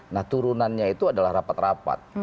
nah turunannya itu adalah rapat rapat